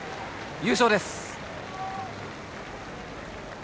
優勝です！